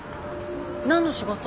何の仕事？